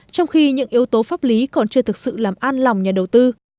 trong khi những yếu tố pháp lý còn chưa thực sự làm an lòng nhà đầu tư